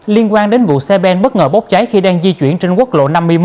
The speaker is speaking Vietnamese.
liên quan đến vụ xe ben bất ngờ bốc cháy khi đang di chuyển trên quốc lộ năm mươi một